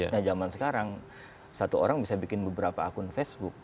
nah zaman sekarang satu orang bisa bikin beberapa akun facebook